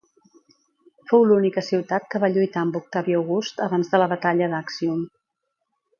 Fou l'única ciutat que va lluitar amb Octavi August abans de la batalla d'Àccium.